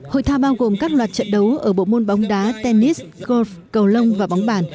hội thao bao gồm các loạt trận đấu ở bộ môn bóng đá tennis goldev cầu lông và bóng bàn